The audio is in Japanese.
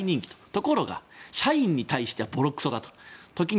ところが社員に対してはぼろくそだと。